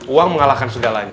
uang mengalahkan segalanya